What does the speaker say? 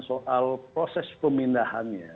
soal proses pemindahannya